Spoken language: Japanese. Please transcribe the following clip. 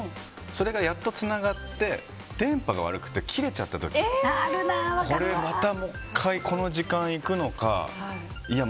それがやっとつながって電波が悪くて切れちゃった時これもう１回この時間いくのかいや